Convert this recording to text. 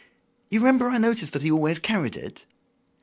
You remember I noticed that he always carried it?